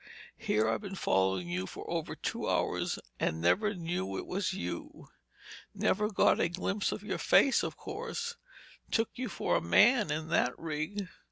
"Here I've been following you for over two hours and never knew it was you! Never got a glimpse of your face, of course—took you for a man in that rig!